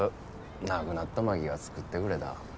亡くなった真紀が作ってくれだ。